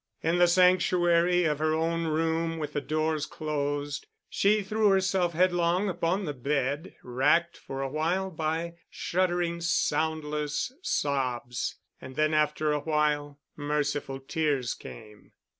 In the sanctuary of her own room with the doors closed, she threw herself headlong upon the bed, racked for a while by shuddering soundless sobs—and then after a while merciful tears came.